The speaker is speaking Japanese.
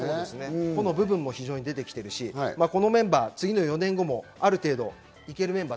個の部分も出てきているし、このメンバー次の４年後もある程度いけるメンバー